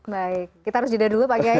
baik kita harus juda dulu pak giyai